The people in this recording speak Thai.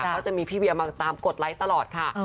ก็จะมีพี่เวียมาตามกดไลค์ตลอดค่ะ